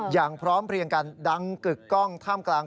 อย่างพร้อมเพลียงกันดังกึกกล้องท่ามกลาง